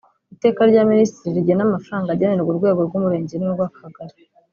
Iteka rya Minisitiri rigena amafaranga agenerwa urwego rw’Umurenge n’urw’Akagari;